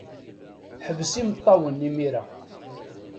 Ḥbes imeṭṭawen imir-a.